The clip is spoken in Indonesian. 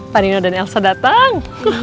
panino dan elsa datang